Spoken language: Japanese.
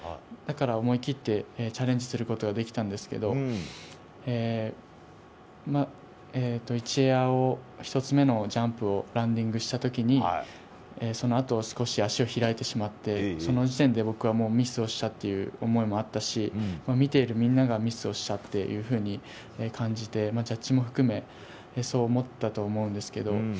だから、思い切ってチャレンジをすることができたんですけど１つ目のジャンプをランディングした時にそのあと少し足を開いてしまってその時点で僕はミスをしたという思いもあったし見ているみんながミスをしたっていうふうに感じてジャッジも含めてそう思ったと思うんですけど。